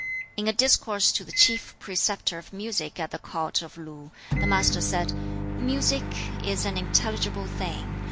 In a discourse to the Chief Preceptor of Music at the court of Lu, the Master said, "Music is an intelligible thing.